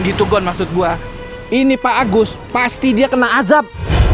gitu kan maksud gua ini pak agus pasti dia kena azab